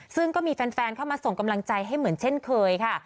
ซึ่งก็มีแฟนเข้ามาส่งกำลังใจให้เหมือนเช่นเคยค่ะ